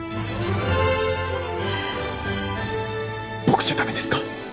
僕じゃ駄目ですか？